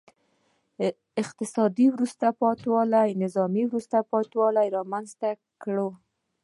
اقتصادي وروسته پاتې والي نظامي وروسته پاتې والی رامنځته کړی و.